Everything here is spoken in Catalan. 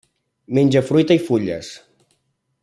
Menja fruita i fulles.